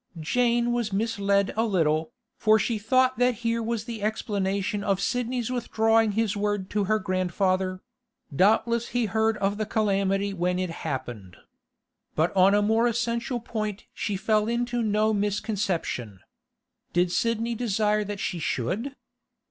Jane was misled a little, for she thought that here was the explanation of Sidney's withdrawing his word to her grandfather; doubtless he heard of the calamity when it happened. But on a more essential point she fell into no misconception. Did Sidney desire that she should?